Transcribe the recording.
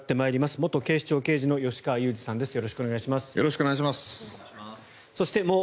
元警視庁刑事の吉川祐二さんです。